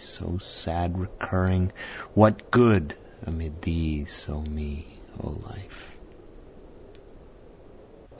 so sad, recurring What good amid these, O me, O life?